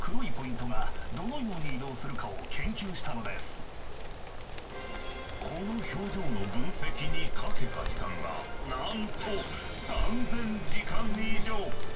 そんなこの表情の分析にかけた時間はなんと３，０００時間以上！